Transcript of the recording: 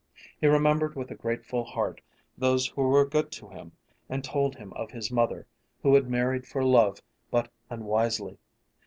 He remembered with a grateful heart those who were good to him, and told him of his mother, who had married for love but unwisely.